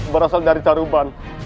berasal dari caruban